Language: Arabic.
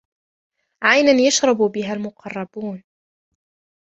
عينا يشرب بها المقربون